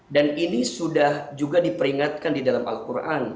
dan ini sudah juga diperingatkan di dalam al qur'an